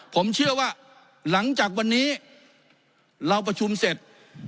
ผมเชื่อว่าหลังจากวันนี้เราประชุมเสร็จ